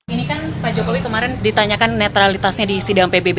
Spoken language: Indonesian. ini kan pak jokowi kemarin ditanyakan netralitasnya di sidang pbb